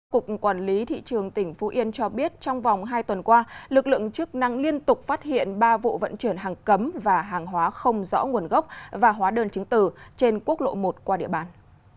cục quản lý thị trường tỉnh phú yên cho biết trong vòng hai tuần qua lực lượng chức năng liên tục phát hiện ba vụ vận chuyển hàng cấm và hàng hóa không rõ nguồn gốc và hóa đơn chứng từ trên quốc lộ một qua địa bàn